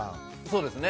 そうですね。